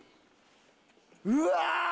うわ！